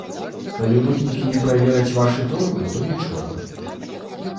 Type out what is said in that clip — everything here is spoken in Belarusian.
Калі мытнікі не правераць вашы торбы, то нічога.